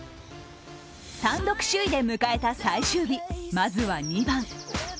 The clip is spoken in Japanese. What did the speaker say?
単独首位で迎えた最終日、まずは２番。